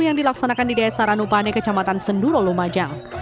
yang dilaksanakan di desa ranupane kecamatan senduro lumajang